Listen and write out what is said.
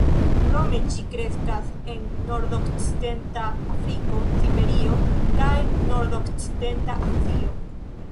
Krome ĝi kreskas en nordokcidenta Afriko, Siberio kaj nordokcidenta Azio.